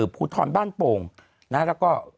ภูทรบ้านโป่งแล้วก็